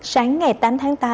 sáng ngày tám tháng tám